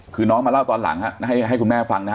คือน้องมาเล่าตอนหลังให้คุณแม่ฟังนะฮะ